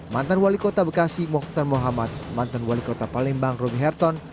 mantan wali kota bekasi mohtar muhammad mantan wali kota palembang roby herton